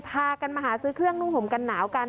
พากันมาหาซื้อเครื่องนุ่งห่มกันหนาวกัน